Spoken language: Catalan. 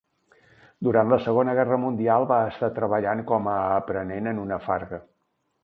Durant la Segona Guerra Mundial va estar treballant com a aprenent en una farga.